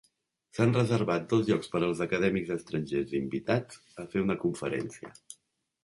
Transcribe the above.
S'han reservat dos llocs per als acadèmics estrangers invitats a fer una conferència.